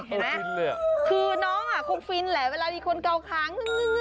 คือน้องคงฟินแหละเวลามีคนเก่าคาง